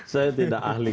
saya tidak ahli